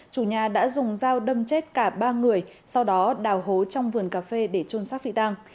chủ nhà đã dùng dao đâm chết cả ba người sau đó đào hố trong vườn cà phê để trôn xác phi tăng